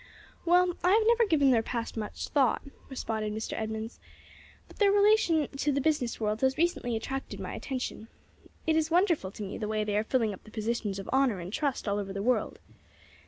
"Well, I have never given their past much thought," responded Mr. Edmunds; "but their relation to the business world has recently attracted my attention. It is wonderful to me the way they are filling up the positions of honor and trust all over the world.